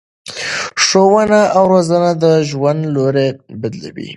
ښوونه او روزنه د ژوند لوری بدلوي.